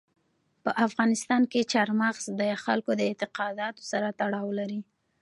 په افغانستان کې چار مغز د خلکو د اعتقاداتو سره تړاو لري.